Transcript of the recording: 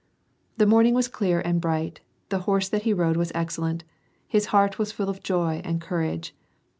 The morning was clear and bright ; the horse that he rode was excellent. His heart was full of joy and courage.